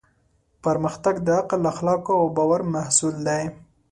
پرمختګ د عقل، اخلاقو او باور محصول دی.